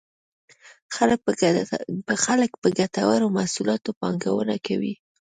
خلک په ګټورو محصولاتو پانګونه کوي.